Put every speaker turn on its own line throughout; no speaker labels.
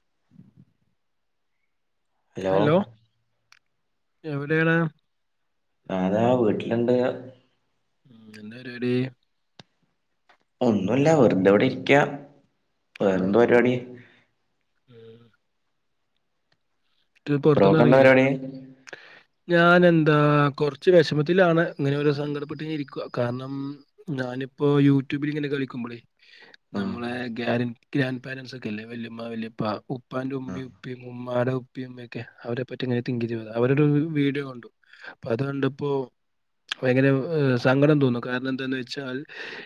[inaudible]
Hello
എവിടെയാണ്
ഞതാ വീട്ടിലണ്ട്
ഉം എന്താ പരിപാടി
ഒന്നുല്ല വെർതെ വിടെ ഇരിക്ക
ആഹ്
വേറെന്ത പരിപാടി
പൊർത്തൊന്നും
ബ്രോക്കെന്താ
എർങ്ങീല്ലേ
പരിപാടി
ഞാൻ എന്താ കൊർച്ച് വെ ഷമത്തിലാണ് ഇങ്ങനെ രോ സങ്കടപ്പെട്ട് ഇരിക്ക കാരണം ഞാന് ഇപ്പോ യൂട്യൂബിലിങ്ങനെ കളിക്കുമ്പോളേ
ആ
നമ്മളെ ഗാരൻ ഗ്രാൻഡ പാരൻറ്സ് ഒക്കെ അല്ലേ വല്യമ്മ വല്യപ്പ ഉപ്പാന്റെ
ആ
ഉമ്മി ഉപ്പി ഉമ്മാടെ ഉപ്പി ഉമ്മാക്കെ അവരെ പറ്റി അങ്ങനെ തിങ്ക് ചെയ് അവരടെ വീഡിയോ കണ്ടു അപ്പൊ അത കണ്ടപ്പോ ഭയങ്കര സങ്കടം തോന്നുന്നു കാരണം എന്താന്ന് വെച്ചാൽ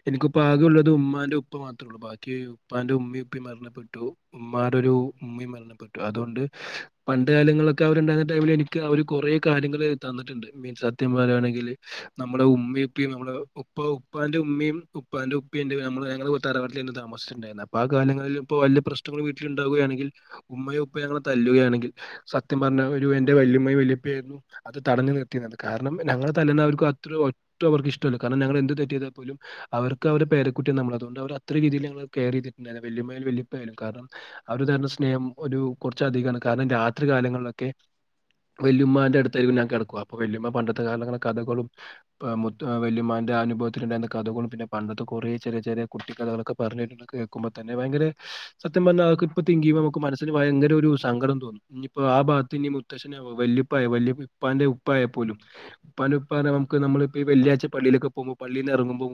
എനിക്ക് പ്പൊ ആകെ ഉള്ളത് ഉമ്മാന്റെ ഉപ്പ മാത്രം. ബാക്കി ഉപ്പാന്റെ ഉമ്മയും ഉപ്പി മരണപ്പെട്ടു ഉമ്മാടെ ഒരു ഉമ്മയും മരണപ്പെട്ടു അതുകൊണ്ട് പണ്ട് കാലങ്ങളൊക്കെ അവരുണ്ടായിരുന്ന ടൈമിൽ എനിക്ക് അവര് കൊറെേ കാര്യങ്ങൾ തന്നിട്ടുണ്ട് മീൻ സത്യം പറയയാണെങ്കിൽ നമ്മുടെ ഉമ്മയും ഉപ്പയും നമ്മ ഉപ്പ ഉപ്പാന്റെ ഉമ്മയും ഉപ്പാന്റെ ഉപ്പയുംമ്മള് ഞങ്ങള് തറവാട്ട് താമസിച്ചുണ്ടായിരുന്നത്. അപ്പ ആ കാലങ്ങളിൽ ഇപ്പോ വല്യ പ്രശ്നങ്ങ ൾ വീട്ടിലുണ്ടാവുകയാണെങ്കിൽ ഉമ്മയൊ ഉപ്പയൊ ഞങ്ങളെ തല്ലുകയാണെങ്കിൽ സത്യം പറഞ്ഞ ഒരു എന്റെ വലിയുമ്മയും വല്യപ്പ ആായിരുന്നു അത് തടഞ്ഞു നിർത്തിയിരുന്നത്. കാരണം ഞങ്ങൾ തല്ലുന്നവർക്ക ഒറ്റ അവക്ക് ഇഷ്ടല്ല കാരണം ഞങ്ങള് എന്ത് തെറ്റ്‌ എയ്താ പോലും അവർക്ക് അവരു പേരക്കുട്ടി നമ്മള അതുകൊണ്ട് അവ അത്ര രീതിൽ കെയറെയ്തിട്ടുണ്ടായിരുന്നു. വല്യുമ്മയായാലും വല്ലിപ്പയായാലും കാരണം അവര് തരുന്ന സ്നേഹം ഒരു കൊർച്ച് അധികമാണ് കാരണം രാ ത്രി കാലങ്ങളിലൊക്കെ വെല്ലുമന്റെ അടുത്തായിരിക്കും ഞാൻ കെടക്കുകഅപ്പൊ വല്യമ്മ പണ്ടത്തെ കാലങ്ങളെ കഥകളും മുത്ത് വല്യുമ്മ ന്റെ അനുഭവത്തിലുണ്ടായിർന്ന കഥകളും പിന്നെ പണ്ടത്തെ കുറേ ചെറിയ ചെറിയ കുട്ടികഥകളക്കെ പറഞ്ഞട്ട കേക്കുമ്പോ തന്നെ ഭയങ്കര സത്യം പറഞ്ഞാ അക്കെ ഇപ്പം തിങ്ക് ചെയുമ്പോ നമുക്ക് മനസ്സിന് ഭയങ്കര ഒരു സങ്കടം തോന്നു ഇനിയിപ്പോ ആ ഭാഗത്തിന് മുത്തശച്ശന വല്യുപ്പായ വല് ഉപ്പാന്റെ ഉപ്പായ പോലും ഉപ്പാന്റെ ഉപ്പ ന നമ്മളിപ്പോ വെള്ളിയാഴ്ച പള്ളിലൊക്കെ പോവുമ്പോ പ ള്ളിൽന്ന് ഇറങ്ങുമ്പോ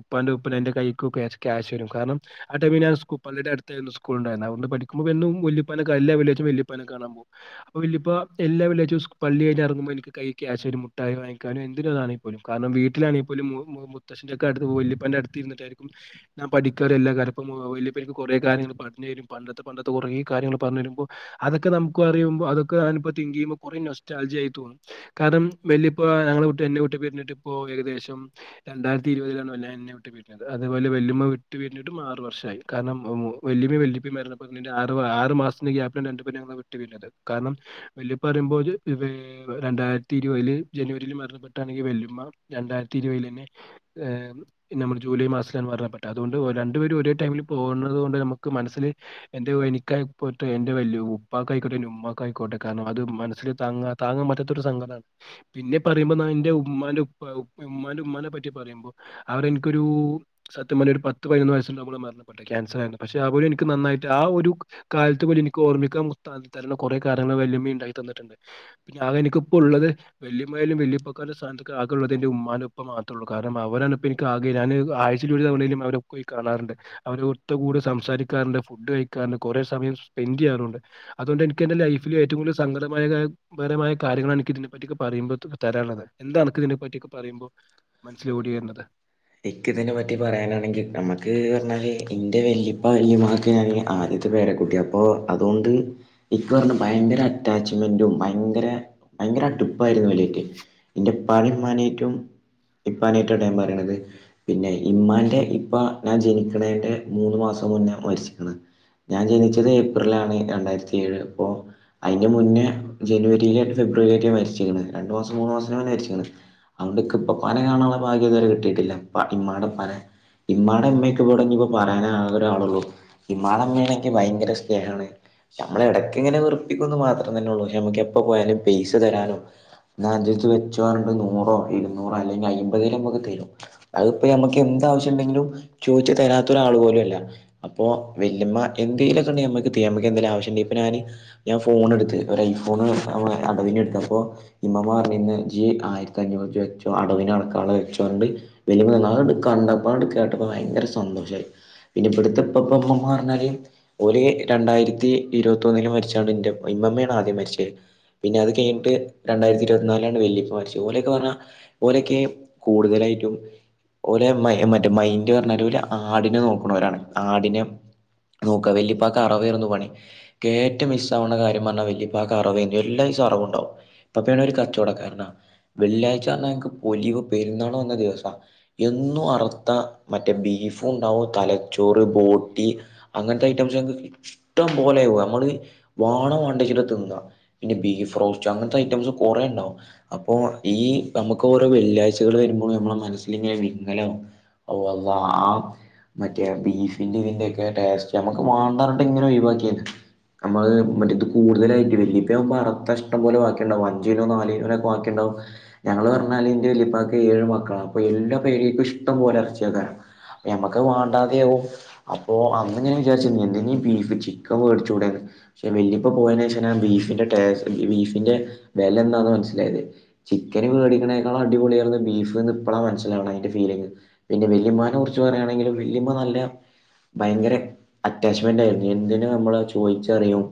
ഉപ്പാന്റെ ഉ പ്പ എന്റെ കൈക്ക് ക്യാഷ് തരും. കാരണം ആ ടൈമില് ഞാൻ പള്ളിന്റെ അടുത്തായിരുന്നു സ്കൂ ഉണ്ടായിന്നെ അത് കൊണ്ട് പഠിക്കുമ്പോ എന്നും വല്ല്യപ്പാനെ എല്ലാ വെള്ളിയാഴ്ച കാണാൻ പോവും. അപ്പ വല്ലുപ്പ എല്ലാ വെള്ളിയായ്ച്ചും പള്ളി കഴിഞ്ഞ് എറങ്ങുമ്പോ എനിക്ക് കൈക്യാശ് ഒരു മുട്ടായി വാങ്ങിക്കാനും വാങ്ങിക്കാനും എന്തിനാണെ പോലും കാരണം വീട്ടിലണ പോലും മുത്തച്ശ്ന്റെ ഒക്കെ അടു വല്ലിപ്പന്റെ അടുത്ത് ഇരുന്നിട്ടായിരിക്കും ഞാൻ പഠിക്ക കിക്കാരല്ല കാരപ്പം വല്ലുപ്പ ഇക്ക് കൊറെേ കാര്യങ്ങൾ പറഞ്ഞു തരും പണ്ടത്തെ പണ്ടത്തെ കൊറേ കാര്യങ്ങള് പറഞ്ഞു തരുമ്പോ അതൊക്കെ നമുക്ക് അറിയുമ്പോ അതൊക്കെ തിങ്ക് ചെയ്യുമ്പോ കുറേ നൊസ്റ്റാജിയ ആയി തോന്നും. കാരണം വല്ലുപ്പ എന്നെ വിട്ട് പരിഞ്ഞിട്ട ഇപ്പോ ഏകദേശം രണ്ടായിരത്തി ഇരുപതിലാണ് എന്നെ വിട്ട് പിരിഞ്ഞത് അതുപലെ വെല്ലുമ്മ വിട്ട് പിരിഞ്ഞിട്ടും ആറ് വർഷായി കാരണം വല്ലുമ്മീം വല്ലുപ്പിം മരണപ്പെടുന്നതിന്റെ ആറ് ആറ് മാസത്തിന്റെ ഗ്യാപ്പില വിട്ട് പിരിഞ്ഞത്. കാരണം വല്ലുപ്പ പറയുമ്പോ രണ്ടായിരത്തി ഇരുപതില് ജനുവരിൽ മ ണെങ്ക വ രണ്ടായിരത്തി ഇരുപതി തന്നെ നമ്മുടെ ജൂലൈ മാസത്തിലത് അ രണ്ടുപേര് ഒരേ ടൈമിൽ പോകത കൊണ്ട് നമുക്ക് മനസ്ൽ എ എനിക്കറ്റ എന്റെ വ ഉപ്പാക്ക ആയിക്കോട്ടെ ഉുമ്മാക്ക ആയിക്കോട്ടെ കാര അത് മനൽ താ താങ്ങാൻറ്റാത്ത ഒരു സംങ്ക പിന്നെ പറയുമ്പോ മനെ പറ്റി പറയുമ്പോ അവരെനിക്കരു സത്യ ഒരു പത്ത് പന്ന് വയസ നമ്മ മരണപ്പെട്ട ക്യാസർ ആയിരുന്നു പക്ഷെ അവും എനിക്ക് നന്നായിട്ട് ആ ഒരു കാലത്ത്ുലെ എനിക്ക്ഓർമ്മിക്കാം തരുന്ന കുറെേ കാര്യങ്ങൾ വല്യമ്മ ഉണ്ടായി തന്നിട്ടുണ്ട് ഞൻ എനിിപ്പ ഉള്ളത് വല്ിയമ്മലും വിയൊക്കം സ്ാനക്ക ആക ഉുള്ളത് എന്റെ ഉ്മാനപ്പം മാത്രേ ഉൂ കാരണം അവരാണ് എക്ക് ആക ഞാന് ആഴ്ച കാണാറുണ്ട് അവ ഒറ്റ കൂടെ സംസാരിക്കാറുണ്ട് ഫുഡ് കഴിക്കാറുണ്ട് കുറെ സയം സ്പെൻഡ് ചെയ്യാറുണ്ട് അതുകൊണ്ട് എനിക്ക് എൻ്റെ ലൈഫിൽ ഏറ്റവും കൂടുതൽ സങ്കടമായപരമായ കാര്യങ്ങളാണ് എനിിക്ക ഇതിനെപ്പറ്റിൊക്ക പറയ്പൾ തരാനുള്ളത് എന്താണക്ക് ഇതിനെ പറ്റിൊക്കെ പറയുമ്പോൾ മനസ്സൽ ഓടി വരുന്നത്
എക്ക് ഇതിനെ പറ്റി പറയാനാണെങ്കിൽ നമുക്ക് പറഞ്ഞാല് ഇന്റെ വെു അപ്പൊ അയമാക്ക് ഞാൻ ആദ്യത്തെ പേരെക്കുട്ടി അപ്പൊ അതുകൊണ്ട് എക്ക് പറഞ്ഞ ഭയങ്കര അറ്റാച്ച്മെന്റും ഭയങ്കര ഭയങ്കര അടുപ്പായിരുന്നു വലറ്റ് എന്റെ പണിമാന റ്റവും ഇപ്പാനേറ്റട്ട ഞാൻ പറയണത് പിന്നെ ഇമ്മാന്റെ ഇപ്പൊ ഞാൻ ജനിക്കണേന്റെ മൂന്ന്ു മാസം മുന്നേ മരിച്ചിക്കണ് ഞാൻ ജനിച്ചത് ഏപ്രിലണ് രണ്ടായിരത്തി ഏഴ് അപ്പോൊ അതിന്റെ മുന്നേ ജനുവരിയിലായിട്ട് ഫെബ്രുവരിയിലായിട്ട മരിച്ചരിക്കണ് രണ്ടു മാസം മൂന്ന്ു മാസം മരിച്ചിണ് അൊണ്ട്ക്ക ഇപ്പൊ പന കാണാനുള്ള ഭാഗ്യ ഇതുവരെ കിട്ടിയിട്ടില്ല ഇമ്മമാടെ പന ഇമ്മാടെ അമ്മക്ക്െ ഇവിട ഇപ്പോൊ പറയാന ആക ഒരാളള്ളു ഇമ്മാടെ അമ്മേയുടെൊക്കെ ഭയങ്കര സ്നേഹമാണ് നമ്മള ഇടക്ക ഇങ്ങനെ വെറപ്പിക്കുംന്ന് മാത്രേ തന്നെ ഉള്ളൂ പക്ഷെ നമ്മുക്ക എപ്പോ പോയാലും പേസ് തരാനോ എന്നാഞ്ചരിച്ച് വെച്ചു പറഞ്ഞണ്ട് നൂറോ ഇരുന്നൂറോ അല്ലെങ്കിൽ അയമ്പതല നമുക്ക് തരും അതിപ്പോ നമ്മുക്ക് എന്താവശ്യുണ്ടെങ്കിലും ചോദിച്ചു തരാത്തൊരാൾ പോലുംല്ല അപ്പോൊ വമ്മ ഇന്ത്യയിലൊക്കെ ഉണ്ടക്ക് നമുക്ക് എന്തും ആവശ്യുണ്ട ഇ ഞാ ഞൻ ഫോൺടു ഒരു ഫോണ് അടവി എടുത്ത് അപ്പോൊ ഇമമ്മമാ പറഞ്ഞിന്ന് ജി ആയിരത്തി അഞ്ഞൂറ് രൂപ വെച്ചോ അടവിനടക്കാള വെച്ചോണ്ട് വല എടുക്ക കണ്ടപ്പോ എടുക്ക കേട്ടപ്പോ ഭയങ്കര സന്തോഷമായി പിന്നെ ഇപ്പടുത്തെ ഇപ്പപ്പമ്മ പറഞ്ഞാലല് ഓലെ രണ്ടായിരത്തി ഇരുപത്തിൊന്നും മരിച്ചാണ് എന്റെ മ്മയാണ് ആദ്യം മരിച്ചത് പിന്നെ അത് കഴിഞ്ഞിട്ട് രണ്ടായിരത്തി ഇരുപത്തിനാലാണ് വല്ിയപ്പ മരിച്ചത് പോലെയൊക്കെ പറഞ്ഞാ പോലെയൊക്കെ കൂടുതലായിട്ടും ഒ മ മറ്റേ മൈൻഡ് പറഞ്ഞാല് ആടിനെ നോക്കുന്നവരാണ് ആടിനെ നോക്ക വല്ിപ്പാക്ക് അറവായിരുന്നു പണി കേറ്റ മിസ് ആവണ കാര്യം പറഞ്ഞാൽ വല്പ്പാക്ക് അറവരുന്നു എല്ലാ സാറ ഉണ്ടാവുംക്ക് ഇപ്പൊപ്പേണ ഒരു കച്ചവടം കാരണം വെള്ളിയാഴച പറഞ്ഞാ ഞങ്ങൾ ക് പൊലിവ് പെരുന്നാണോ ന്ന ദിവസം എന്നും അർഥ മറ്റേ ബീഫും ഉണ്ടാവും തലച്ചോറ് ബോട്ടി അങ്ങനത്തൊയിട്ട് ഇഷ്ടം പോലെ നമ്മള് വാണം വണ്ട ചട്ട തിന്ന പിന്നെ ബീഫ് റോസ്റ്റ് അങ്ങനത്തെ ഐറ്റംസ് കുറേ ഉണ്ടാകും അപ്പോൊ ഈ നമുക്ക് ഓരോ വെള്ളിയാഴ്കൾ വരുമ്പോൾ നമ്മ മനസ് അല്ലെങ്കനെ വിങ്കലോ അ അല്ലാഹ് മറ്റേ ബീഫിന്റെ ഇതിന്റെ ഒക്കെ ടേസ്റ്റ് നമ്മുക്ക് വാണ്ടാറിട്ട് ഇങ്ങനെ ക്ക [unintelligible] നമ്മള് മറ്റ ഇത് കൂടുതലായിട്ട് വല്ിയ ഇപ്പ വർത്ത ഇഷ്ടം പോലെ വാക്കിണ്ടാവു അഞ്ച കിലോ നാലിലോനൊക്കെ ബാക്കിണ്ടാവും ഞങ്ങള് പറഞ്ഞാ ഇന്റെ വലിപ്പാാക്ക ഏഴ് മക്കളാ അപ്പൊ എല്ലാ പേരലേക്കും ഇഷ്ടം പോലെ ഇറച്ചിയക്കാര ഞമ്മക്ക് വാണ്ടാതെയകവും അപ്പോ അന്ന്ങ്ങനെ വിചാരിച്ചി എ [unintelligible] ബീഫ് ചിക്കൻ മേടിച്ചുൂടെന്ന് പക്ഷെ വലിപ്പ പോയതിന ശ ബീഫിന്റെ ടേസ്റ്റ് ബീഫിന്റെ വിലന്താാണ് മനസ്സിലായത് ചിക്കന് മേടിക്കുന്നേക്കാളുംടിപൊളിയർന്നു ബീഫ് ന്ന് അപ്പോള മനസ്സിലാണ് അതിന്റെ ഫീലിംഗ പിന്നെ വല്യമ്മെ കുറിച്ച് പറയുകയാണെങ്കിൽ വല്യമ്മ നല്ല ഭയങ്കര അറ്റാച്ച്മെന്റ് ആയിരുന്നു എന്തിനന് നമ്മള് ചോദിച്ചറിയും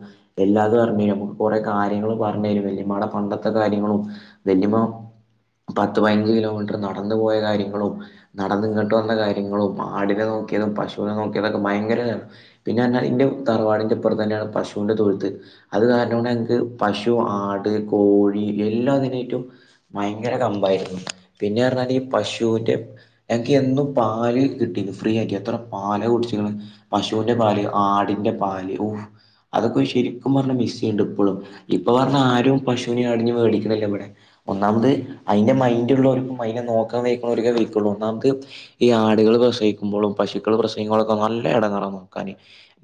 എല്ലാതും അറിഞ്ഞ കുറെ കാര്യങ്ങള്ൾ പറഞ്ഞുരും വല്യമ്മടെ പണ്ടത്തെ കാര്യങ്ങളും വല്യമ്മ പത്ത് പതിനഞ്ച് കിലോമീറ്റർ നട നടന്ന പോയ കാര്യങ്ങളും നടന്ന ഇങ്ങോട്ട് വന്ന കാര്യങ്ങളും ആടിനെ നോക്കിയതും പശുവിനെ നോക്കിയതക്കെ ഭയങ്കര പിന്നെന്റെ തറവാടിന്റെപ്പറ തന്നെയാണ് പശുവിന്റെ തൊഴുത്ത് അത് കാരണ കൊണ്ട് ങ്ക് പശു ആട് കോഴി എല്ലാ അതിനേറ്റും ഭയങ്കര കമ്പായിരുന്നു പിന്നെർഞാൽ ഈ പശുവിന്റെ എനിക്ക് എന്നും പാല് കിട്ടിരുന്നു ഫ്രീ ആക്കി അത്ര പാല കുടിച്ച് കണ് പശുവിന്റെ പാല് ആടിന്റെ പാൽ ഔ - അതൊക്കെ ശരിക്കും പറഞ്ഞ മിസ് ചെയ്യണ്ട് ഇപ്പോഴും ഇപ്പൊ പറഞ്ഞ ആരും പശുവിനെ അടിഞ്ഞ് മേടിക്കണില്ലേ ഇവിടെ ഒന്നാമത് അതിറെ മൈൻഡുള്ളവർക്കും നോക്ക വിക്കുള്ളൂ ഒന്നാമത് ഈ ആടുകൾ പ്രസിക്കുമ്പോഴും പശുക്കൾ പ്രസിക്കുമ്പോളോ ഒക്കെ നല്ലടെങ്ങേറാ - നോ കാന്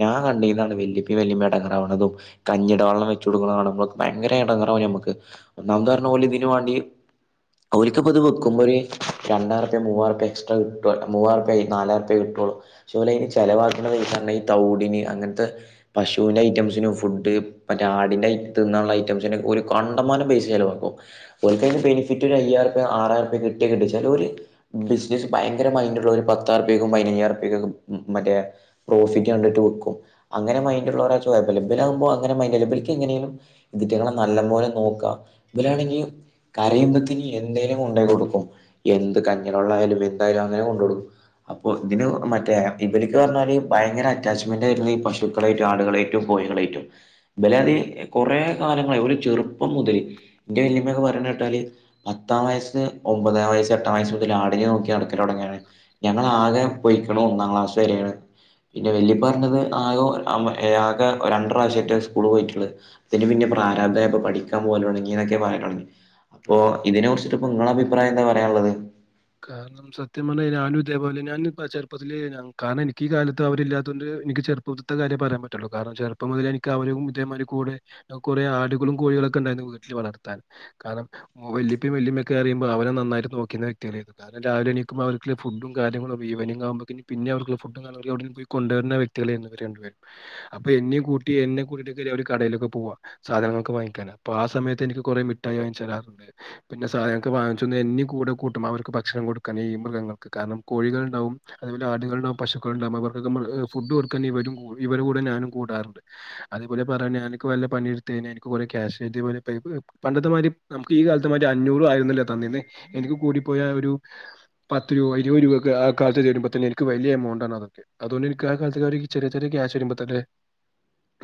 ഞാ കണ്ടീന്യതാണ് വലിപ്പി വല്ലിമ്മീം അടങ്ങറാവുന്നതും കഞ്ഞിട വെള്ളം വെച്ച കൊടുക്കനാവുമ്പോ ക്കെ ഭയങ്കര ഇടങ്ങറ നമുക്ക് ഒന്നാം പറഞ്ഞ പോലെ ഇതിനന് വേണ്ടി ഒരിക്കപ്പോ ഇത് വെക്കുമ്പോ ഒരു രണ്ടായിരുപ മൂവറുപ എക്സ്ട്രാ കിട്ടുള്ളു മൂവുപായി നാലായിരംുപ കിട്ടോുള്ളൂ പക്ഷെ ചിലവാക്കണേ തൗടിന് അങ്ങനത്തെ പശുവി ഐറ്റംസന് ഫുഡ് മറ്റേ ആടിന്റെതിന്നാ ളേ ഓൽ കണ്ടമാനം പൈസ ചെലവാകും ഓൽ കൈൻ ബെനിഫിറ്റ് ഒരു അയ്യായിരം ആറായിർ പിട്ട കിട്ടിയകിട്ടും ചേലോർ ബിസിനസ് ഭയങ്കരമൈന്റ് ഉള്ളോർ പത്താറുപേക്കും പതിനഞ്ഞ്യാറ് പക്ക മറ്റേ പ്രോഫിറ്റ് കണ്ടിട്ട് വിക്കും അങ്ങനെ മൈന്ഡുള്ളരാ ച്ചാ കൊഴപ്പല്യ ബലവുമ്പോ അങ്ങനെ മൈന്റ്അല്ല എങ്ങനെിലും ഇതിറ്റങ്ങെ നല്ല പോോലെ നോക്കാ ഇലാണെങ്കിൽ കരയുമ്പത്തന് എന്തേലും ഉണ്ടാക്കി കൊടുക്കും എന്ത് കഞ്ഞിലള്ള ആയാലും എന്തായാലും അങ്ങനെ കൊണ്ട കൊടുക്കും അപ്പൊ ഇതിന് മറ്റേ ഇവർക്ക് ന്ന് പറഞ്ഞാൽ ഭയങ്കര അറ്റാച്ച്മെന്റ് ആയിരുന്നു ഈ പശുക്കളെയും ആടുകളെയറ്റും കോഴികളെയറ്റും ബലാണേൽ കൊറേ കൊറേ ഒരു ചെറുപ്പം മുതൽന്റെ വലിയുമ്മ പറ കേട്ടാൽ പത്താം വയസ് ഒമ്പതാം വയസ്സ് എട്ടാം വയസ് മുതൽ ആടിനെ നോക്കി നടക്കൻ തുടങ്ങിയാണ് ഞങ്ങൾ ആകെ പോയിക്കു ഒന്നാം ക്ലാസ് വരെയാണ് പിന്നെ വല്പറഞ്ഞത് ആകോ ആകെ രണ്ട പ്രാവശ്യട്ട് സ്കൂള് പോയിട്ടുള്ളത് അതിന് പിന്നെ പ്രാരാപ്തം അപ്പ് പഠിക്കും പോല തോട് ങ്ങി
അതെ
എന്നൊക്കെ പറട്ടു അപ്പോ
അതെ അതെ
ഇതിനെ കുറിച്ചിട്ട ഇപ്പോ നിങ്ങളുടെ അഭിപ്രായം എന്താ പറയാനുള്ളത്
കാരണം സത്യം പറഞ്ഞ ഞാനും ഇതേപോലെ ഞാൻ ചെറുപ്പത്തില് കാരണം എനിക്ക് ഈ കാലത്ത് അവരില്ലാത്തൊണ്ട് എനിക്ക് ചെറുപ്പ ഇത്തെ കാര്യ പറയാൻ പറ്റുള്ളൂ കാരണചെറുപ്പം മുതല എനിക്ക് അവരും ഇതേമാർ കൂടെ കുറെ ആടുകളും കൂടെ വീട്ട വളർ ത്താൻ കാരണം വലിപ്പി വല്ലിമ്മി അിയുമ്പോ അവെരെ നന്നായിട്ട് നോക്ക കാരണം രാവില എണിക്കുമ്പോൾ അവർക്ക് ഫുഡും കാര്ങ്ങളും ഈവനിങ് ആകുമ്പോൾക്ക അവർക്ക് ഫുഡും കാര്ങ്ങളൊ എവിും പോയി കൊണ്ട് വ്യക്തികൾ അവർ രണ്ട് പേരും കൂട്ടെ കൂട്ട കടയിൽ പോവാ സാദങ്ങ്ങൾ ആ സമയത്ത് എനിക്ക് കുറെ മിഠായി വാങ്ങിച്ച് തരാറുണ്ട് [unintelligible] അവർക്ക് ഭക്ഷണം കൊടുക്കാൻ ഈ മൃഗങ്ങൾക്ക് കാരണം കോഴികൾ ഉണ്ടാവും അതുപോലെ ആടുകളുണ്ടാവും പശുക്കൾ ഉണ്ടാവും അവർ- ഫുഡ്കൊടുക്കാൻ ഇവ ഇവരുടെ കൂടെ ഞാനും കൂടാറുണ്ട് അതുപോലെ എനിക്ക് പണിയെടു- ക്യാഷ് [unintelligible] പണ്ടത്തെതി നമുക്ക് ഈ കാലത്തെതി [unintelligible] അഞ്ഞൂറ് ആയിരം തന്നി എനി കൂടി പോയ ഒരു- പത്ത് രൂപ ഇരുപത് രൂപ ഒക്ക ആ കാലത്ത് തരുമ്പോ തന്നെ എനിക്ക് വലിയ എമൗണ്ട് ആണ് അതൊ അതുകൊണ്ട് എനി ആ കാലത്ത് ഒരു ചെറിയ ചെറിയ- ക്യാഷ് [unintelligible]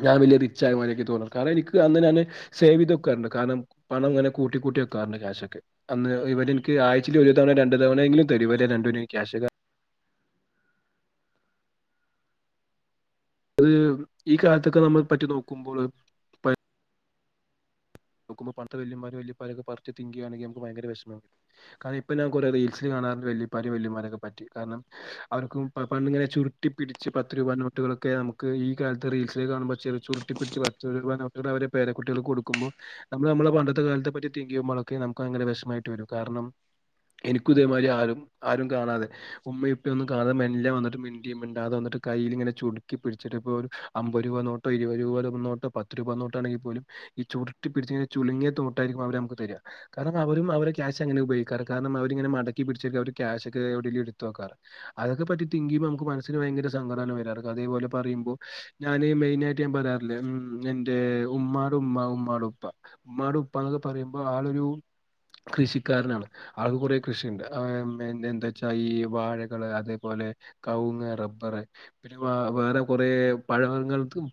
ഞാൻ വലിയ റിച്ചായ എനിക്ക് തോന്നണം കാരണം എനിക്ക് അന്ന് സേവ് ചെയ്ത് വക്കാറുണ്ട് കാരണം അങ്ങനെ കൂട്ടി- കൂട്ടി വക്കാറുണ്ട് കാശൊക്കെ അന്ന് ഇവനിക്ക് ആ- ഒരു തവണ രണ്ടു തവണയങ്കിലും തരും ഇവർ രണ്ടുപേരും അത് ഈ കാലത്തൊക്കെ നമ്മൾ പറ്റി നോക്കുമ്പോൾ നോക്കുമ്പൾ പു വ ഭയങ്ക വി കാര ഇപ്പ [unintelligible] കാരണവൻമാരെ പറ്റി കാരണം അവർക്കും പങ്ങനെ ചുരുട്ടിപ്പിടിച്ച് പത്ത് രൂപ നോട്ടുകളെ ഒക്കെ നമുക്ക് ഈ കാലത്ത് റീൽസിൽ കാണുമ്പോ ചരുട്ടിപ്പിടിച്ച് അവരെ പേര കുട്ടികൾ കൊടുക്കുമ്പോൾ- നമ്മള് നമ്മളെ പണ്ടത്തെ കാലത്തെ പറ്റി തിങ്കിയുമ്പോളൊക്കെ നമുക്ക് ഭയങ്കര വിഷമമായിട്ട് വരും കാരണം എനിക്ക ഇതേമാതിരി ആരും ആരും കാണാതെ ഉമ്മയും ഉപ്പയും ഒന്നും കാണാതെ മെല്ല വന്നിട്ട് മിണ്ടിയും മിണ്ടാതെ വന്നിട്ട്- കയ്യിൽ ഇങ്ങനെചുരുട്ടിപിടിച്ചിട്ട ഇപ്പോ ഒരു അമ്പത് രൂപ നോട്ടോ ഇരുപത് രൂപ നോട്ടോ പത്ത് രൂപ നോട്ടാണെങ്കിൽ പോലും ഈ ചൂട് ചുളുങ്ങിയ നോട്ടായിരിക്കും അവര് നിക്ക് തരിക കാരണം അവരും അവ ക്യാഷ് അങ്ങെനെ ഉപയോഗിക്കാറ് കാരണം അവരിങ്ങനെ മടക്കി കാശൊക്കെഒക്കെ എ എടുത്തക്കാറ് അതൊക്കെ പറ്റി തിക്ക് ചെയുമ്പോ നമ്മക്ക് മനസിന് ഭയങ്കര സങ്കടമാണ് വരാറ് ഇതെ പൊലെ പറയുമ്പോ ഞാന് മെയിൻ ആയിട്ട് ഞാൻ പറയാറില്ല എന്റെ ഉമ്മാടും ഉ് ഉമ്മാടും ഉപ്പ ഉമ്മായുടെ ഉപ്പന്നൊക്കെ പറയുമ്പോ ആളൊരു- കൃഷിക്കാരനാണ് ആൾക്ക് കുറെ കൃഷിയുണ്ട് എന്താ വെച്ചാ ഈ വാഴകള് അതേപോലെ- കവുങ്ങ് റബറ് പിന്നെ പഴ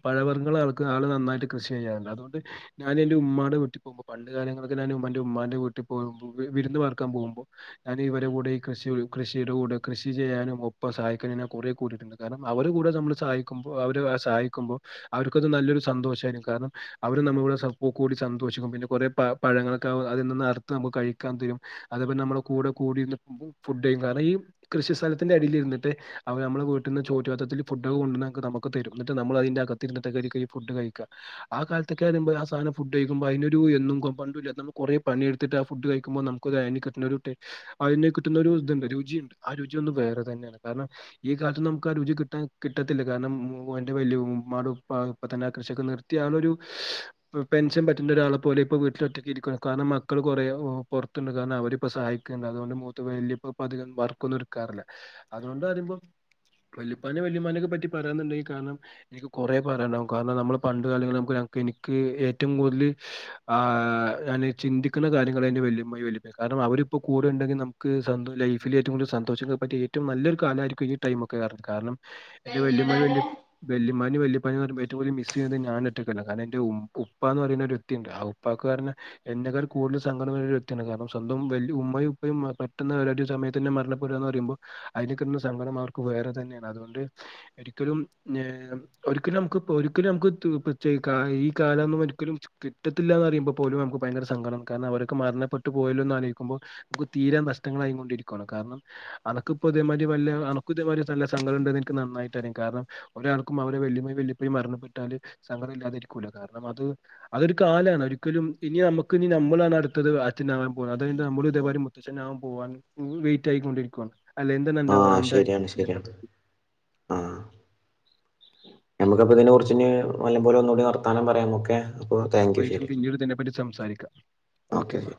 പഴവർഗ്ഗങ്ങൾ ആള് നന്നായിട്ട് കൃഷി ചെയ്യാറ്ണ്ട് അത്കൊണ്ട് ഞാന് എന്റെ ഉമ്മാടെ വീട്ടി പോകുമ്പോ പണ്ട് കാലങ്ങളൊക്ക ഞാന് മ്മാന്റെ എന്റെ ഉമ്മാന്റെ വീട്ടിൽ പോകുമ്പോ വിരുന്ന് പാർക്കാൻ പോകുമ്പോ ഞാന് ഇവരെ കൂടെ കൃഷി കൃഷിയുടെ കൂടെ കൃഷി ചെയ്യാനും ഒപ്പം സഹായിക്കാനും ഞാൻ കൊറേ കൂടിയിട്ട്ണ്ട് കാരണം അവരെ കൂ ടെ നമ്മള് സഹായിക്കുമ്പോ അവരെ സഹായിക്കുമ്പോ അവര്ക്കത് നല്ലൊരു സന്തോഷായിന്നു കാരണം അവര് നമ്മളെ [unintelligible] സ കൂടി സന്തോഷിക്കും പിന്നെ കൊറേ പഴ് പഴങ്ങങ്ങളൊക്കെ അതിനിന്ന് അറുത്ത് നമുക്ക് കഴിക്കാൻ തരും അതേ പോലെ നമ്മുടെ കൂ കൂടി ഫുഡ് [unintelligible] കാരണം ഈ കൃഷി സ്ഥലത്തിന്റെ എടേലിര്ന്നിട്ട് അവ നമ്മടെ വീട്ടിന്ന് ചോറ്റുപാത്രത്തിൽ ഫു ഡൊക്കെ കൊണ്ടാന്ന് നമ്മക്ക്തരും ന്നട്ട് നമ്മൾ അയ്ന്റെ അകത്തിരുന്നാട്ടായ്രിക്കും ഫുഡ് കഴിക്കാ ആ കാലത്തൊക്കെറീമ്പം ആ സാനം ഫുഡ് കഴിക്കുമ്പോ അയ്ന്നൊരു എന്നും പണ്ടുല്ലത്ത നമ്മ കൊറേ പണിയെടുത്തിട്ട് ഫുഡ് കഴിക്കുമ്പോ നമുക്ക് അയ്ന് കിട്ടുന്നൊരു ടെ അയ്ന് കിട്ട്ന്നൊരുത്ണ്ട് രുചിണ്ട് ആ രുചി ഒന്ന് വേറെ തന്നെയാണ് കാരണം ഈ കാലത്ത് നമുക്ക് ആ രുചി കിട്ടാൻ കി കിട്ടത്തില്ല കാരണം മോന്റെ വലിയുമ്മാടെ ഉപ്പ പ്പതന്നെ ആ കൃഷിയൊക്കെ നിർത്തി ആളൊരു പെൻഷൻ പറ്റുന്ന ഒരാളെപോലെ ഇപ്പ വീട്ടിലൊറ്റക്കിരിക്കാണ് കാരണം മക്കള് കൊറേ പൊർത്ത്ണ്ട് കാരണം അവരിപ്പ സഹായിക്ക ല അതുകൊണ്ട് മൂത്ത് വല്യുപ്പ പ്പതികം വർക്കൊന്നും എട്ക്കാറില്ല അതുകൊണ്ടറിമ്പോ വല്യുപ്പാനേം വല്യുമ്മാനെക്കെ പറ്റി പറയാനുണ്ടെങ്കി കാരണം എനിക്ക് കൊറേ പറ്യാൻണ്ടാകും കാരണം നമ്മള് പണ്ട് കാലങ്ങളും നമുക്ക് ഓരാക്ക് എനിക്ക ഏറ്റവും കൂട്തല് ആ ഞാന് ചിന്തിക്കുന്ന കാര്യങ്ങള് എന്റെ വല്യുമ്മയും വല്യുപ്പയാ കാരണം അവര് ഇപ്പോ കൂടെണ്ടെങ്കി നമുക്ക് സന്തോ ലൈഫില് ഏറ്റവും കൂടുതല് സന്തോഷിക്കാൻ പറ്റിയ ഏറ്റവും നല്ലൊരു കാലമായിരിക്കും ഈ ടൈമൊക്കെ കാര്ണം എന്റെ വല്യുമ്മാനിം വല്യു വല്യുമ്മാനിം വല്യപ്പാനിം പറ്യ്മ്പോ ഏറ്റും കൂട്തല് മിസെയ്യുന്നത് ഞാനൊറ്റക്കല്ല കാരണം ന്റെ ഉ ഉപ്പാന്ന് പറയുന്നൊരു വ്യക്തിയുണ്ട് ആ ഉപ്പാക്കാര്ന്ന് എന്നെക്കാൾ കൂടുതൽ സങ്കടം വരുന്നൊരു വ്യക്തിയാണ് കാരണം സ്വന്തം വ ഉമ്മയും ഉപ്പയും പെട്ടെന്ന് ഒരു സമയത്ത് തന്നെ മരണ പെടാന്ന്ർയുമ്പോ അയ്റ്റെക്കെന്ത് സങ്കടം ആർക്കും വേറെ തന്നെ അതുകൊണ്ട് എരിക്കലും ഒരിക്കലും നമുക്ക് ഒരിക്കലും നമുക്ക് [unintelligible] കാലൊന്നും ഒരിക്കലും കിട്ടത്തില്ലാന്നറിയുമ്പ പോലും നമുക്ക് ഭയങ്കര സങ്കടം കാരണം അവരൊക്കെ മരണപ്പെട്ട് പോയല്ലോന്ന് ആലോയിക്കുമ്പോ തീരാ നഷ്ടങ്ങളായികൊണ്ടിരിക്കുവാണ് കാരണം അനക്ക്പ്പോ ഇതേമായ്രി വല്ല അണക്ക ൻക്ക് നന്നായിട്ട് അറിയ കാരണം ഒരാൾക്കും അവരെ വല്യുമ്മയും വല്യുപ്പയും മരണപ്പെട്ടാല് സങ്കടല്ലാതെ ഇരി കാരണം അത് അതൊരു കാലാണ് ഒരിക്കലും ഇനി നമുക്ക് ഇനി ഞമ്മളാണ് അട്ത്തത് ആറ്റിനാകാൻ പോകുന്ന അത് നമ്മൾ ഇതേമായ്രി മുത്തച്ഛനാവാൻ പോവാണ് [unintelligible] വെയ്റ്റ് ആയിക്കൊണ്ടിരിക്കുവാണ് അല്ല എന്തെന്നെന്ത
ആഹ്
ന്തായി
ശരിയാണ് ശരിയാണ്
[unintelligible]
നമുക്കപ്പം ഇതിനെ കുറിച്ച്ഞ്ഞ് നല്ലം പോലെ ഒന്നുകൂടി വർത്താനം പറയാം ഒക്കെ
നമുക്കാെരീസം പിന്നീട് ത് നെപ്പറ്റി സംസാരിക്കാം
ഓക്കെ ശരി
ഓക്കേന്നാ